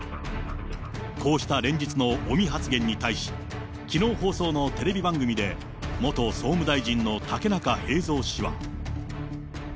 こうした連日の尾身発言に対し、きのう放送のテレビ番組で、元総務大臣の竹中平蔵氏は。